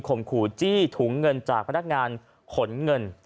ขู่จี้ถุงเงินจากพนักงานขนเงิน